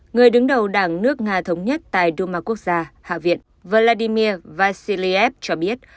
người đứng đầu đảng nước nga thống nhất tại duma quốc gia hạ viện vladimir vacilieb cho biết